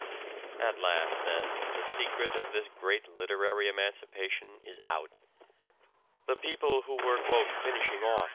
At last, then, the secret of this great literary emancipation is out. The people who were " finishing off